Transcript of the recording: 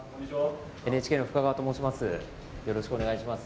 ＮＨＫの深川と申します。